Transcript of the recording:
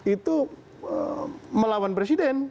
itu melawan presiden